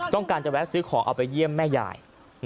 ต้องการจะแวะซื้อของเอาไปเยี่ยมแม่ยาย